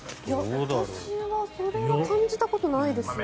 私はそれは感じたことないですね。